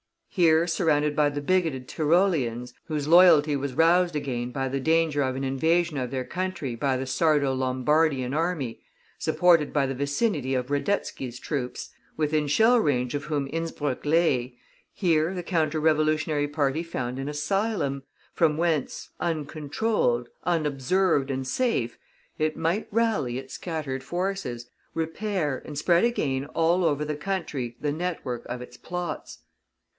Here surrounded by the bigoted Tyroleans, whose loyalty was roused again by the danger of an invasion of their country by the Sardo Lombardian army, supported by the vicinity of Radetzky's troops, within shell range of whom Innspruck lay, here the Counter Revolutionary party found an asylum, from whence, uncontrolled, unobserved and safe, it might rally its scattered forces, repair and spread again all over the country the network of its plots.